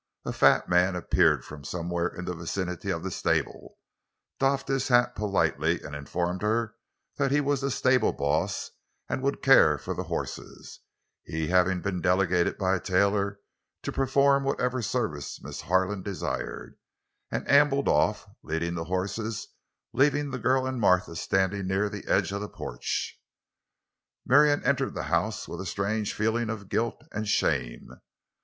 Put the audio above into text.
A fat man appeared from somewhere in the vicinity of the stable, doffed his hat politely, informed her that he was the "stable boss" and would care for the horses; he having been delegated by Taylor to perform whatever service Miss Harlan desired; and ambled off, leading the horses, leaving the girl and Martha standing near the edge of the porch. Marion entered the house with a strange feeling of guilt and shame.